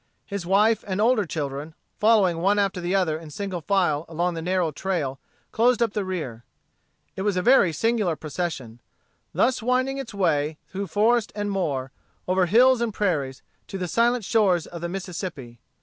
His wife and older children, following one after the other in single file along the narrow trail, closed up the rear. It was a very singular procession, thus winding its way, through forest and moor, over hills and prairies, to the silent shores of the Mississippi.